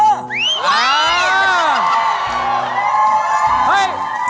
เฮ้ย